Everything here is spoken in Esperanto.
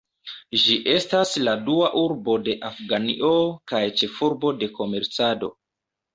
Ĝi estas la dua urbo de Afganio kaj ĉefurbo de komercado.